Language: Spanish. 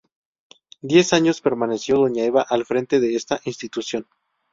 Diez años permaneció doña Eva al frente de esta institución.